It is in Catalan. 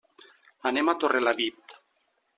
Anem a Torrelavit.